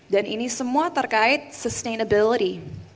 dan ini semua terkait sustainability